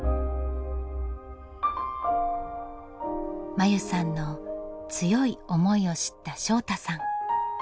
真優さんの強い思いを知った翔大さん。